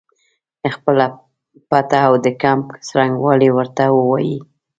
خپله پته او د کمپ څرنګوالی ورته ووایي.